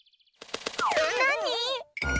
なに？